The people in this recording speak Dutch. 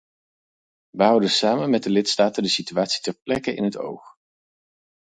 Wij houden samen met de lidstaten de situatie ter plekke in het oog.